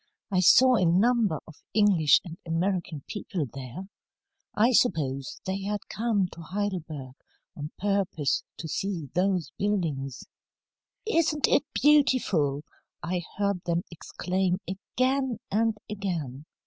I saw a number of English and American people there. I suppose they had come to Heidelberg on purpose to see those buildings. "'Isn't it beautiful!' I heard them exclaim again and again.